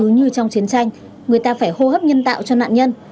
như trong chiến tranh người ta phải hô hấp nhân tạo cho nạn nhân